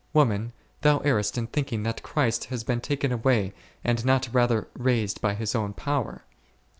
Woman, thou errest in thinking that Christ has been taken away, and not rather raised by His own power.